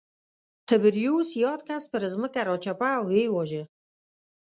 تبریوس یاد کس پر ځمکه راچپه او ویې واژه